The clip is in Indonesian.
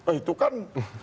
oh itu kan